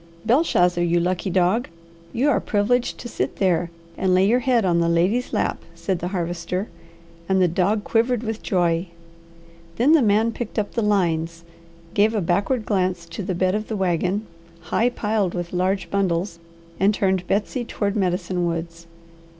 "Belshazzar, you lucky dog, you are privileged to sit there and lay your head on the lady's lap," said the Harvester, and the dog quivered with joy. Then the man picked up the lines, gave a backward glance to the bed of the wagon, high piled with large bundles, and turned Betsy toward Medicine Woods.